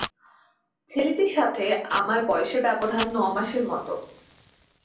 ছেলেটির সঙ্গে আমার বয়সের ব্যবধান ন মাসের মতো।